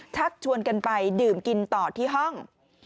ชักชวนกันไปดื่มกินต่อที่ห้อง